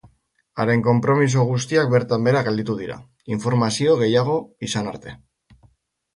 Haren konpromiso guztiak bertan behera gelditu dira, informazio gehiago izan arte.